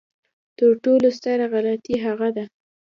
تر ټولو ستره غلطي هغه ده.